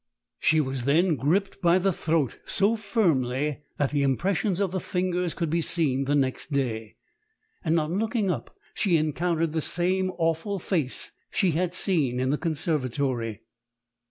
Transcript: "She was then gripped by the throat (so firmly that the impressions of the fingers could be seen next day), and on looking up she encountered the same awful face she had seen in the conservatory.